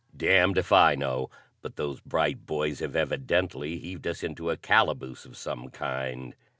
"Damned if I know; but those bright boys have evidently heaved us into a calaboose of some kind!"